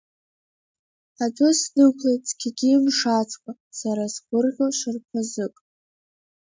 Адәы снықәлеит, цқьагьы имшацкәа, сара сгәырӷьо шырԥазык.